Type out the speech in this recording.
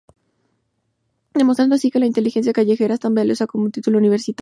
Demostrando así que la inteligencia callejera es tan valiosa como un título universitario.